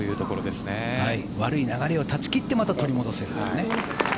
悪い流れを断ち切って取り戻せるというね。